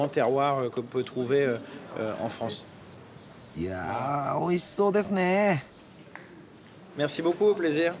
いやおいしそうですね。